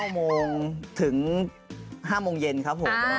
๙โมงถึง๕โมงเย็นครับผม